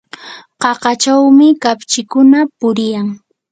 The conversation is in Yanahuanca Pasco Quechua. qaqachawmi kapchikuna puriyan.